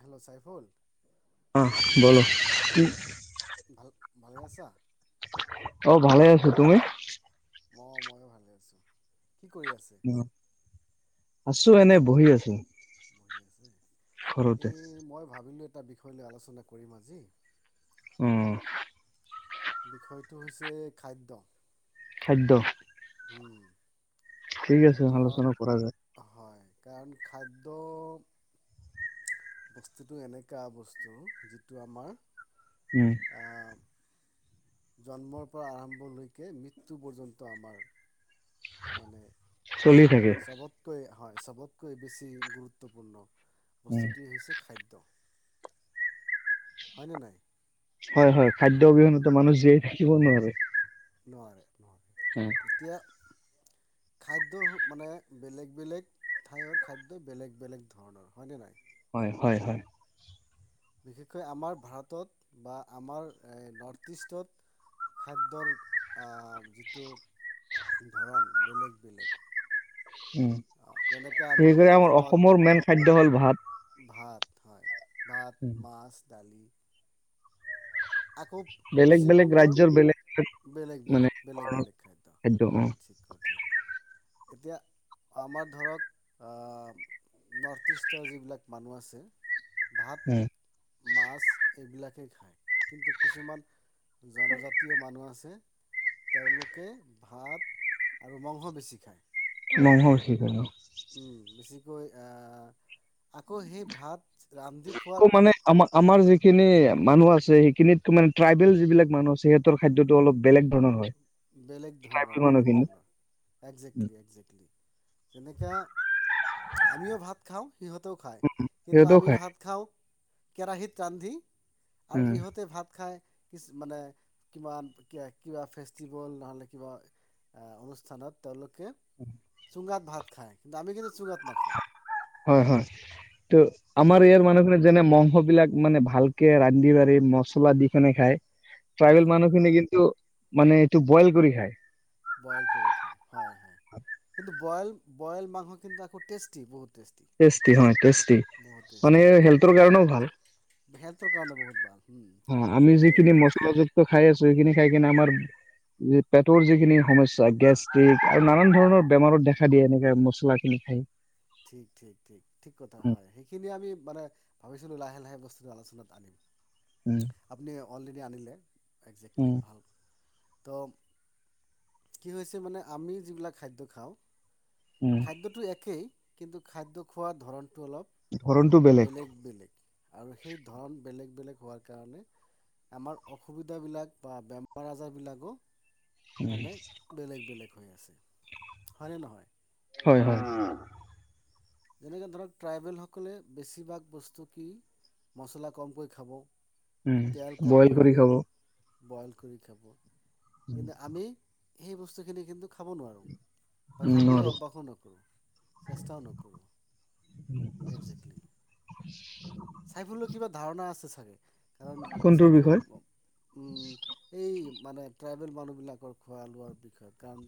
Hello, Saiful অহ ', বল ভাল ভালে আছা? অহ ', ভালে আছো তুমি? অহ ', মইো ভালে আছো। কি কৰি আছে? আছো এনে বহি আছো। বহি আছে ঘৰতে। এই মই ভাবিলো এটা বিষয় লৈ আলোচনা কৰিম আজি। উম। বিষয়টো হৈছে খাদ্য। খাদ্য। হুম। ঠিক আছে আলোচনা কৰা যায়। হয় কাৰণ খাদ্য বস্তুটো এনেকা বস্তু যিটো আমাৰ উম। আহ, জন্মৰ পৰা আৰম্ভলৈকে মৃত্যু পৰ্যন্ত আমাৰ মানে চলি থাকে। চবতকৈ হয় সবতকৈ বেছি গুৰুত্বপূৰ্ণ। উম বস্তুটোৱে হৈছে খাদ্য। দ্য। হয় নে নাই? হয় হয় খাদ্য অবিহনেতো মানুহ জীয়াই থাকিব নোৱাৰে। নোৱাৰে। এতিয়া খাদ্য মানে বেলেগ বেলেগ ঠাইৰ খাদ্য বেলেগ বেলেগ ধৰণৰ হয়নে নাই? হয় হয়। বিশেষকৈ আমাৰ ভাৰতত বা আমাৰ নৰ্থ ইষ্টত খাদ্যৰ আহ যিটো ধৰণ বেলেগ বেলেগ। উম যেনেকৈ আমি সেইকাৰনে আমাৰ অসমত অসমৰ মেইন খাদ্য হ'ল ভাত। হয়। ভাত, মাছ। দালি। আকৌ বেলেগ বেলেগ পশ্চিমবংগৰ ৰাজ্যৰ বেলেগ বেলেগ মানে বেলেগ বেলেগ ধৰণৰ বেলেগ খাদ্য ঠিক কথা। এতিয়া আমাৰ ধৰক নৰ্থ ইষ্টৰ যিবিলাক মানুহ আছে ভাত মাছ এইবিলাকে খায়। কিন্তু কিছুমান জনজাতীয় মানুহ আছে তেওঁলোকে ভাত আৰু মংস বেছি খায়। মঙহ বেছি খাই অঁ। উম বেছিকৈ আহ আকৌ সেই ভাত ৰান্ধি খোৱাৰ আকৌ মানে আমাৰ আমাৰ যিখিনি মানুহ আছে সেইখিনিত মানে ট্ৰাইবেল যিবিলাক মানুহ আছে সিহতৰ খাদ্য অলপ বেলেগ ধৰণৰ হয়। বেলেগ ট্ৰাইবেল ধৰণৰ বেলেগ মানুহখিনি ধৰণৰ এক্সাক্টলি এক্সাক্টলি। যেনেকে আমিও ভাত খাওঁ সিহঁতেও খায় কিন্তু সিহঁতেও আমি খায় ভাত খাওঁ কেৰাহীত ৰান্ধি আৰু উম ইহঁতে ভাত খাই কিছ মানে কিমান কে কিবা ফেচ জীৱল নহলে কিবা আ অনুষ্ঠানত তেওঁলোক কে চুঙাত ভাত খাই কিন্তু আমি চুঙা নেখাওঁ। হয় হয়। ত' আমাৰ নাই ইয়াৰ মানুহখিনি যেনে ম স বিলাক মানে ভালকে ৰান্ধি বাঢ়ি মচলা দি কিনি খায়। ট্ৰাইবেল হয় মানুহখিনি কিন্তু মানে এইটো বইল কৰি খায়। বইল কৰি খায় হয় হয় কিন্তু বইল বইল মাংস কিন্তু একৌ টেষ্টি বহুত। টেষ্টি হয় টেষ্টি বহুত মানে টেষ্টি হেল্থৰ কাৰণেও ভাল। হেল্থৰ কাৰণে বহুত ভাল হুম, অ আমি সেইটোৱে যিখিনি সেইটোৱে মছলাযুক্ত খাই আছো সেইখিনি সেইকাৰণে আমাৰ পেটৰ যিখিনি সমস্যা গেষ্টিক আৰু নানান ধৰণৰ বেমাৰত দেখা দিয়ে এনেকে মছলা খিনি খাই। ঠিক ঠিক ঠিক ঠিক কথা উম হয় সেইখিনি আমি মানে ভাবিছো লাহে লাহে বস্তুটো আলোচনাত আনিম। উম আপুনি। অলৰেডি আনিলে। একজেক্টলি উম ভাল। তো কি হৈছে মানে আমি যিবিলাক খাদ্য খাওঁ উম খাদ্যটো একেই। কিন্তু খাদ্য খোৱাৰ ধৰণ টো অলপ বেলেগ বেলেগ। আৰু সেই ধৰণ বেলেগ বেলেগ হোৱাৰ কাৰণে আমাৰ অসুবিধাবিলাক বা বেমাৰ আজাৰবিলাকো উম, মানে বেলেগ বেলেগ। হৈ আছে, হয়নে নহয়? হয় হয়। যেনেকে ধৰক ট্ৰাইবেলসকলে বেছিভাগ বস্তু কি মচলা কমকৈ খাব। উম তেল বইল কমকৈ কৰি দিব খাব। বইল কৰি খাব। কিন্তু আমি সেই বস্তুখিনি কিন্তু খাব নোৱাৰোঁ। বা উম, খাবলৈ নোৱাৰো অভ্যাসো নকৰোঁ চেষ্টাও নকৰোঁ। একজেক্টলি। [unintelligible] [unintelligible] কিবা ধাৰণা আছে চাগে। কাৰণ কোনটোৰ চাইফুল, বিষয়? উ', এই, মানে ট্ৰাইবেল মানুহবিলাকৰ খোৱা লোৱাৰ বিষয়ে কাৰণ,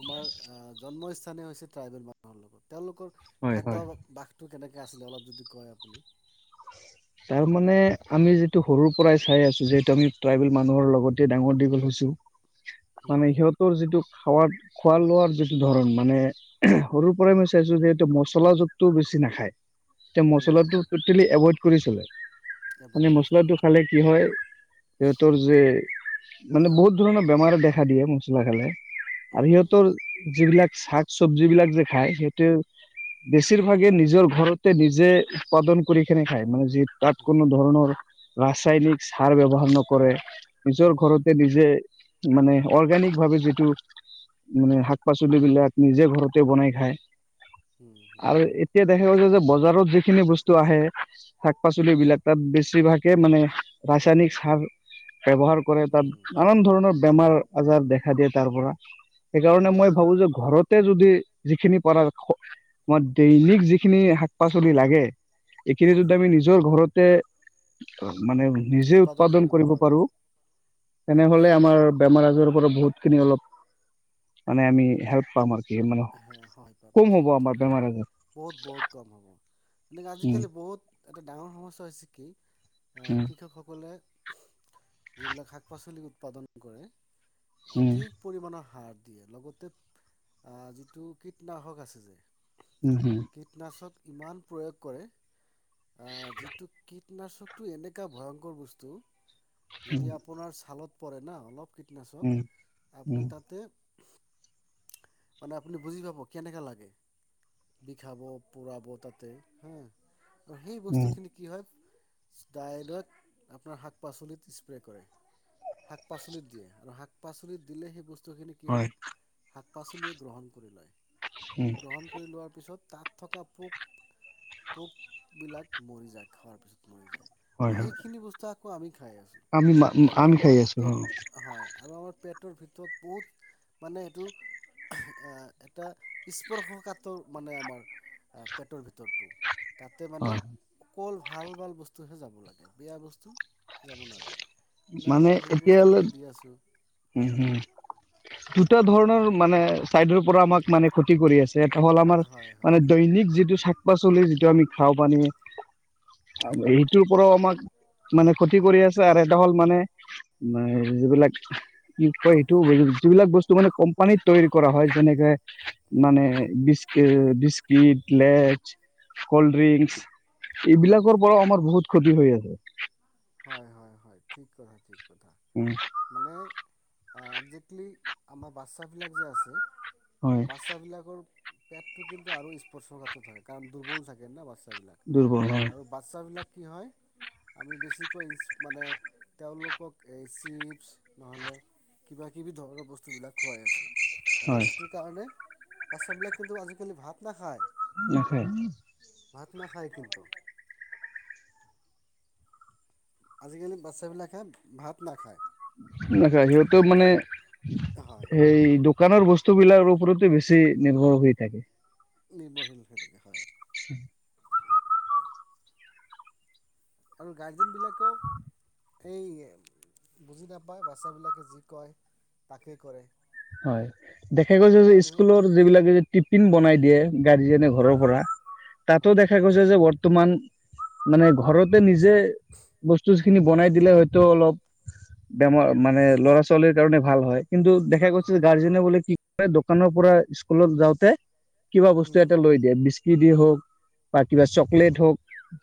তোমাৰ আহ জন্মস্থান স্থানে হৈছে ট্ৰাইবেল মানুহৰ লগত। তেওঁলোকৰ হয় হয়। খাদ্য বাসটো কেনেকৈ আছিলে অলপ যদি কয় আপুনি, তাৰ মানে আমি যিটো সৰুৰ পৰাই চাই আছো যিহেতু আমি ট্ৰাইবেল মানুহৰ লগতে ডাঙৰ দীঘল হৈছো। মানে হুম সিহঁতৰ যিটো খাৱাত, খোৱা লোৱাৰ যিটো ধৰণ মানে সৰুৰ পৰাই মই চাইছো যে মছলা জোখটো বেছি নাখায়। এতিয়া হুম মচলাটো হুম টোটেলি এভইড কৰিছিলে, এবৰ্ড মানে কৰিছিলে মছলাটো ৰাইট খালে কি হয়, সিহঁতৰ যে, মানে বহুত ধৰণৰ বেমাৰে দেখা দিয়ে, মছলা খালে। আৰু হুম সিহঁতৰ যিবিলাক শাক চবজি বিলাক যে খাই সিহঁতে বেছিভাগে নিজৰ ঘৰতে নিজে উৎপাদন কৰি কেনে মানে যিটো, তাত কোনো ধৰণৰ, ৰাসায়নিক সাৰ ব্যৱহাৰ নকৰে। নিজৰ হুম ঘৰতে নিজে, মানে অৰ্গেনিক ভাৱে যিটো মানে শাক পাচলিবলাক নিজে ঘৰতে বনাই খায়। হুম হুম আৰু এতিয়া দেখা গৈছে যে বজ বজাৰত যিখিনি বস্তু আহে, শাক পাচলি বিলাক তাত বেছিভাগে মানে ৰাসায়নিক সাৰ, ব্যৱহাৰ কৰে তাত হুম নানান ধৰণৰ বেমাৰ আজাৰ দেখা দিয়ে তাৰ পৰা। সেইকাৰণে হুম মই হুম ভাবো যে ঘৰতে যদি, যিখিনি পৰা আমাৰ দৈনিক যিখিনি শাক পাচলি লাগে, কিন্তু যদি আমি হুম নিজৰ ঘৰতে, অ'। মানে নিজে উৎপাদন কৰিব পাৰো, ইয়েছ তেনেহলে আমাৰ বেমাৰ আজাৰৰ পৰা বহুত, খিনি অলপ, মানে আমি হেল্প পাম আৰু। কি মানে হ হয় পাম [unintelligible] কম ঠিক, হ'ব ঠিক আমাৰ কথা বেমাৰ আজাৰ বহুত, বহুত কম হ'ব। এনেকে উম আজিকালি বহুত এটা ডাঙৰ সমস্যা হৈছে কি? আহ কৃষকসকলে যিবিলাক শাক পাচলি উৎপাদন কৰে। উম অধিক পৰিমণৰ সাৰ দিয়ে লগতে আহ যিটো কীটনাশক আছে যে উম উম হম কীটনাশক ইমান প্ৰয়োগ কৰে আহ যিটো কীট কীটনাশকতটো এনেকা ভয়ংকৰ বস্তু যদি আপোনাৰ চালত পৰে না অলপ কীটনাশক উম উম আপোনাৰ তাতে মানে আপুনি বুজি পাব কেনেকা লাগে বিষাব, পোৰাব তাতে হা সেই উম উম বস্তুখিনি কি হয় ডাইন আপোনাৰ শাক পাচলিত স্প্ৰে কৰে। শাক পাচলিত দিয়ে আৰু শাক পাচলিত দিলে সেই বস্তু খিনি কি হয়, শাক পাচলিয়ে গ্ৰহণ কৰি লয় উম গ্ৰহণ কৰি লোৱাৰ পিছত ত তাত থকা পোক পোক বিলাক খোৱা পিছত মৰি যায়। হয় ত হয় সেইখিনি বস্তু আমি খাই আছোঁ আমি আৰু আমি খাই আমাৰ আছো অ পেট হয় আৰু আমাৰ পেট ভিতৰত বহুত মানে এইটো আহ এটা স্পৰ্শকাতৰ মানে আমাৰ পেটৰ ভিতৰত টো তাতে মানে হয় অকল ভাল ভাল বস্তুহে যাব। বেয়া বস্তু যাব নালাগে। কিন্তু আমি মানে সেই এতিয়ালে বস্তুখিনি দি আছোঁ হুম হয় হুম দুটা ধৰণৰ মানে চাইডৰ পৰা আমাক মানে ক্ষতি কৰি আছে। এটা হ'ল আমাৰ হয় হয় মানে দৈনিক যিটো চ পাচলি যিটো আমি খাওঁ পাৰি হয় এইটোৰ পৰাও আমাক মানে ক্ষতি কৰি আছে আৰ হ'ল মানে, যিবিলাক কি কয়, সেইটো যিবিলাক বস্তু মানে কোম্পানীত তৈৰি কৰা হয় যেনেকে মানে বি বিস্কিট, লেজ, কল্ড ড্ৰিংক হয় এইবিলাকৰ পৰাও আমাৰ বহুত ক্ষতি হয় [inaudible] হয়, হয়, হয়, ঠিক কথা। উম মানে আ একজেক্টলি আমাৰ বাচ্ছা বিলাক যে আছে হয় বাচ্ছা বিলাকৰ পেটটো কিন্তু আৰু স্পৰ্শৰ [unintelligible] থাকে কাৰণ দুৰ্বল থাকে না বা [unintelligible] দুৰ্বল হয় আৰু বাচ্ছাাবিলাক কি হয়, আমি বেছি মানে তেওঁলোকক এই চিপ্ছ নহ'লে কিবা কিবি ধৰণৰ বস্তুবিলাক খুৱাই আছোঁ। আৰু হয় এটো কাৰণে বাচ্ছাবিলাক কিন্তু আজিকালি ভাত নাখায়। নাখাই। ভাত নাখায় কিন্তু আজিকালি বাচ্ছাবিলাকে, ভাত নাখায়। না সিহঁতেও মানে এই হয় সেই দোকানৰ বস্তুবিলাকৰ ওপৰতে বেছি নিৰ্ভৰ হৈ থাকে। নিৰ্ভৰশীল হৈ থাকে হয়। [inaudible] আৰু গাৰ্জেন বিলাকেও এই বুজি নাপায় বাচ্ছাবিলাকে যি কয় তাকেই কৰে। হয় দেখা গৈছে যে তাৰপিছত স্কুলৰ যিবিলাক টিফিন বনাই দিয়ে গাৰ্জেনে ঘৰৰ হয় পৰা তাতো হয় দেখা গৈছে যে ব তমান, মানে ঘৰতে নিজে বস্তু খিনি বনাই দিলে হয়তো অলপ বেমাৰ মানে ল'ৰা ছোৱালীৰ কাৰণে ভাল হয় কিন্তু ভাল হয় গাৰ্জেনে বলে [unintelligible] দোকানৰ পৰা স্কুলত যাওঁতে কিবা বস্তু হুম এটা লৈ দিয়ে বিছ কি দি হওক, বা কিবা চকলেট হওক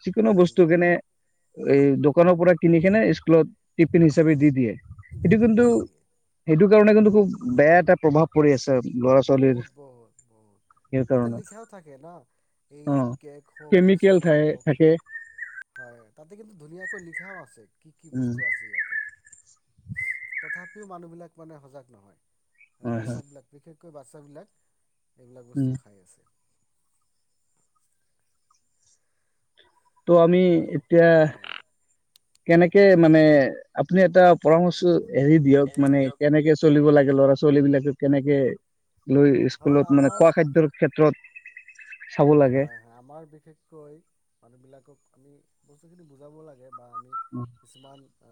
যিকোনো হুম বস্তু যেনে এই দোকানৰ পৰা কিনি কিনে স্কুলত টিফিন হিচাপে দি দিয়ে। দি এইটো দিয়ে কিন্তু, দি দিয়ে এইটো কাৰণে কিন্তু খু বেয়া এটা প্ৰভাৱ পৰি আছ বহুত-বহুত, সেই তাতে কাৰণে লিখাও থাকে ন এই অ কেক হওক, কেমিকেল থ বিস্কিট হওক, থাকে হয় তাত তাতে কিন্তু ধুনীয়াকৈ লিখাও আছে। কি কি উম বস্তু আছে ইয়াতে? তথাপিও মানুহবিলাক মানে সজাগ নহয়। আৰু হয় হয় বাচ্ছাবিলাক বিশেষ কে বাচ্ছাবিলাক এইবিলাক উম বস্তু খাই আছে। ত' আমি ত' এতিয়া হয় কেনেকে মানে আপুনি এটা পৰামৰ্শ এৰি দিয়ক মানে কেনেকে চলিব লাগ ল'ৰা-ছোৱালীবিলাকে কেনেকে লৈ হয় স্কুলত মানে আমাৰ খোৱা খাদ্যৰ ক্ষেত্ৰত চাব লাগে। হয়, হয় আমাৰ বিশেষকৈ মানুহবিলাকক আমি বস্তুখিনি বুজাব লাগে। বা আমি উম, কিছুমান আ,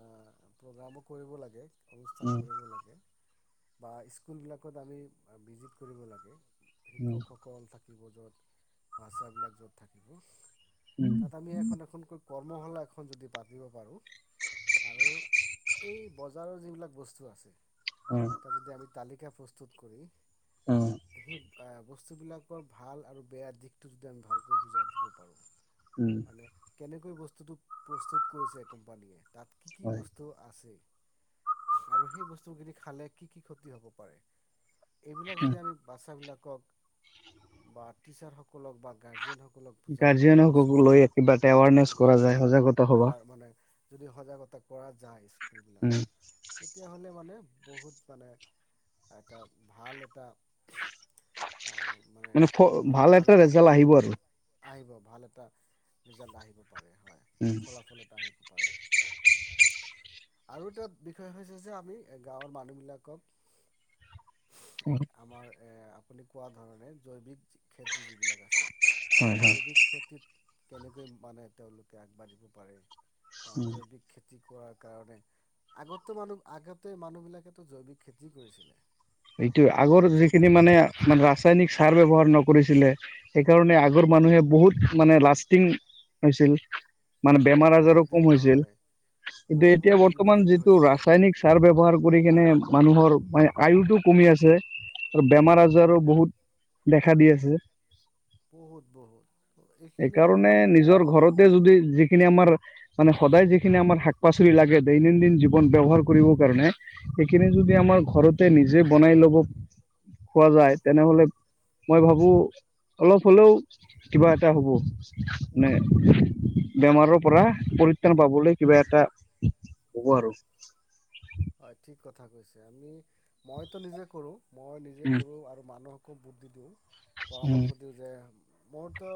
প্ৰগ্ৰামো কৰিব লাগে। অনুস্থান উম, কৰিব লাগে। বা স্কুল বিলাকত আমি ভিজিত কৰিব লাগে। উম, শিক্ষকসকল থাক [unintelligible] [unintelligible] বিলাক য'ত থাকিব উম, তাত আমি এখন, এখনকৈ কৰ্মশালা এখন যদি পাতিব পাৰোঁ আৰু এই বজাৰৰ যিবিলাক বস্তু আছে এটা যদি আমি তালিকা প্ৰস্তুত কৰি উম, উম, সেই অ', বস্তুবিলাকৰ ভাল আৰু বেয়া দিশ টো যদি আমি ভালকৈ বুজাই দিব পাৰোঁ। উম। মানে কেনেকৈ বস্তুটোক প্ৰস্তুত কৰিছে কোম্পানীয়ে? তাত কি কি হয়। বস্তু আছে? আৰু সেই বস্তুখিনি খালে কি কি ক্ষতি হ'ব পাৰে? এইবিলাক যদি আমি বাছাবিলাক [unintelligible] স বা গাৰ্জেনসকলক বুজাব পাৰোঁ গাৰ্জিয়ানসকলক স্কুলত লৈ কিবা এটা এৱাৰনেছ কৰা যায় সজাগতা সভা। হয় মানে। যদি সজাগতা কৰা যায়। উম। তেতিয়া হলে মানে বহুত মানে এটা ভাল এটা। আহ মানে [unintelligible] হয়তো ভাল এটা সময় ৰিজাল্ট আহি আহিব আৰু। আহিব ভাল এটা ৰিজাল্ট আহিব। উম, ফলাফল এটা আহিব। আৰু এটা বিষয় হৈছে যে আমি গাঁৱৰ মানুহবলাকক আমাৰ এ আপুনি কোৱা ধৰণে জৈৱিক। যিবিলাক আছে। হয়, হয়। জৈৱিক খেতিত। কেনেকৈ মানে তেওঁলোকে আগবাঢ়িব পাৰে। বা উম, জৈৱিক ক্ষেত্ৰ কৰাৰ কাৰণে আগতো মানুহ আগতে মানুহ বিলাকেো জৈৱিক খেতি কৰিছিলে। এইটোয় আৰু আগৰ যিখিনি জৈৱিক মানে হয় ৰাসায়নিক সাৰ ব্যৱহাৰ নক কৰিছিলে সেইকাৰণে আগৰ মানুহে বহুত মানে লাষ্টিং হৈছিল। মানে বহুত বেমাৰ বহুত আজাৰো কম দীৰ্ঘ হৈছিল হয় কিন্তু এতিয়া বহুত বৰ্তমান দীৰ্ঘজীৱী যিটো হৈছিলে ৰাসায়নিক সাৰ ব্যৱহাৰ কৰি কেনে মানুহৰ মানে আয়ুটোক। কমি আছে আৰু বেমাৰ আজাৰো বহুত দেখা দি আছে। বহুত বহুত এইখিনিও আমি মানুহবিলাকক। সেইখিনি আমাৰ মানে সদায় যিখিনি আমাৰ শাক পাচলি লাগে দৈনন্দিন জীৱন ব্যৱহাৰ কৰিবৰ কাৰণে সেইখিনি যদি আমাৰ ঘৰতে নিজে বনাই ল'ব। খোৱা যায় তেনেহলে মই ভাবো। অলপ হ'লেও কিবা এটা হ'ব মানে বেমাৰৰ পৰা পৰিত্ৰাণ পাবলৈ কিবা এটা হ'ব আৰু। হয় ঠিক কথা কৈছে আমি মইতো নিজে কৰো। মই নিজে উম কৰোঁ আৰু মানুহক। [unintelligible] বুদ্ধি দিওঁ। উম পৰামৰ্শ দিওঁ যে মোৰতো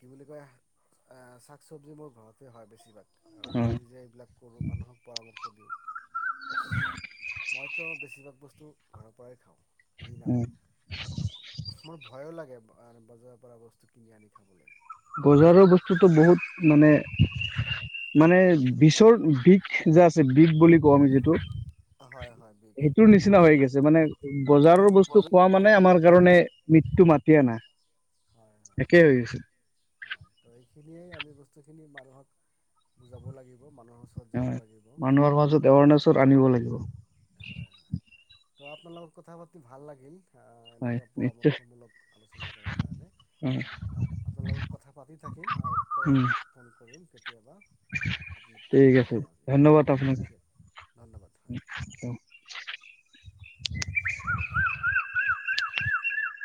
কি বুলি কয় আহ শাক চবজি মোৰ ঘৰতে হয় বেছিভাগ। আৰু উম মই নিজে এইবিলাক কৰোঁ মানুহক। [unintelligible] মইতো বেছিভাগ বস্তু ঘৰৰ পৰাই খাওঁ। কিনি উম নানো মোৰ ভয়ো লাগে। বজাৰৰ পৰা বস্তু কিনি আনি খাবলে। বজাৰৰ বস্তুটো বহুত মানে, মানে বিচৰ বিষ যে, আছে বিষ বুলি কওঁ আমি যিটো হয় হয় বিষ সেইটোৰ নিচিনা হৈ গৈছে মানে বি বজাৰৰ বস্তু খোৱা বিষ মানে হয় আমাৰ কাৰণে মৃত্যু মাতি আনা। একেই হৈ গৈছে। [unintelligible] সেয়ে আমি বস্তু খিনি মানুহক বুজাব লাগি মানুহৰ মাজত [unintelligible] আনিব লা [unintelligible] হয় ত আপোনাৰ লগত কথা পাতি ভাল লাগিল। আহ, হয় এনেকা নিশ্চয় পৰামৰ্শমূলক আলোচনা কৰাৰ কাৰণে অ আপোনাৰ লগত কথা পাতি থাকিম আকৌ উম ফোন কৰিম। কেতিয়াবা আপুনি ঠিক আছে ধন্যবাদ [unintelligible] আপোনাক ধন্যবাদ। অ